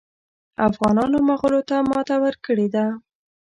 افغانانو مغولو ته ماته ورکړې ده.